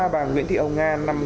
bà nguyễn thị âu nga